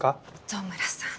糸村さん。